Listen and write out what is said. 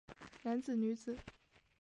男子女子